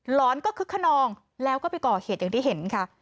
อนก็คึกขนองแล้วก็ไปก่อเหตุอย่างที่เห็นค่ะ